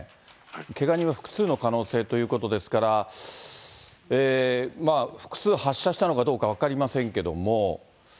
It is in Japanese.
けが人は複数の可能性ということですから、複数発射したのかどうか分かりませんけども。